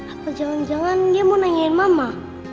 apa jangan jangan dia mau nanyain mama